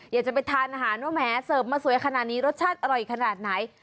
อยากจะไปทานอาหารว่าแหมเสิร์ฟมาสวยขนาดนี้รสชาติอร่อยขนาดไหน